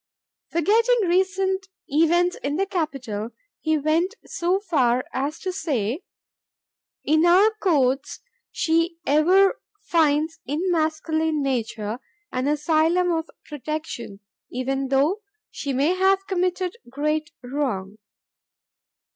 Forgetting recent events in the Capital, he went so far as to say, "... In our courts she ever finds in masculine nature an asylum of protection, even though she may have committed great wrong.